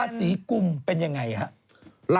ละศีกุมเป็นอย่างไรครับ